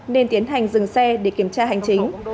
nên tiến hành dừng xe để kiểm tra hành chính